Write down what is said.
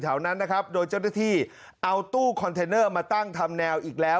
แถวนั้นนะครับโดยเจ้าหน้าที่เอาตู้คอนเทนเนอร์มาตั้งทำแนวอีกแล้ว